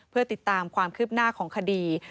เพื่อติดตามความคืบหน้าของคดี